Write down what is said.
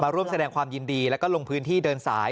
ร่วมแสดงความยินดีแล้วก็ลงพื้นที่เดินสาย